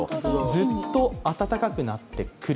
ずっと暖かくなってくる。